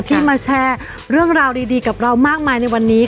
ที่มาแชร์เรื่องราวดีกับเรามากมายในวันนี้